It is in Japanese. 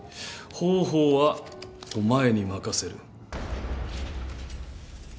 方法はお前に任せる。